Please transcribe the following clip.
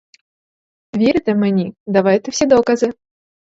Вірите мені, давайте всі докази.